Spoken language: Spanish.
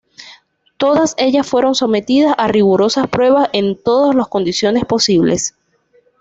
Todas ellas fueron sometidas a rigurosas pruebas en todas las condiciones posibles.